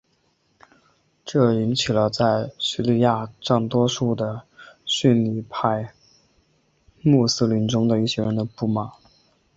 这引起了在叙利亚占多数的逊尼派穆斯林中的一些人的不满。